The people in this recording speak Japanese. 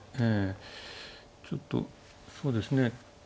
ええちょっとそうですね。